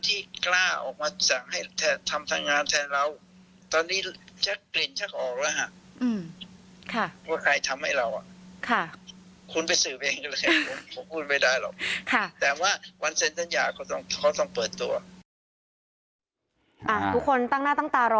ที่กล้าออกมาที่จะให้ทำทางงานแทนเรา